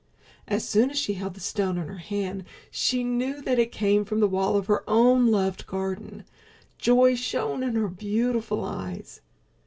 As soon as she held the stone in her hand she knew that it came from the wall of her own loved garden. Joy shone in her beautiful eyes.